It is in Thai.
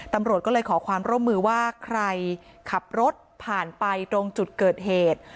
ตำรวจก็เลยขอความร่วมมือว่าใครขับรถผ่านไปตรงจุดเกิดเหตุ